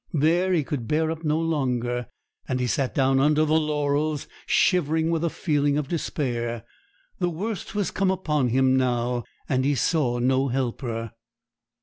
There he could bear up no longer, and he sat down under the laurels, shivering with a feeling of despair. The worst was come upon him now, and he saw no helper.